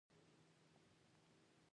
تنور د افغان کلي یوه ژوندي نښانه ده